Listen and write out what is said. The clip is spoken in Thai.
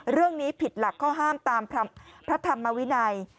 ผิดหลักข้อห้ามตามพระธรรมวินัย